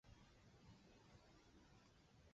莫热地区勒潘。